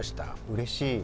うれしい。